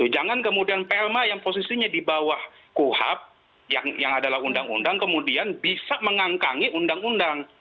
jangan kemudian plma yang posisinya di bawah kuhap yang adalah undang undang kemudian bisa mengangkangi undang undang